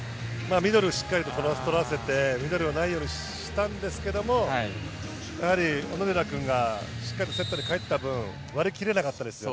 ミドルしっかりととらせて、ミドルがないようにしたんですけれど、小野寺君がしっかりとセッターにかえったぶん、割り切れなかったですよね。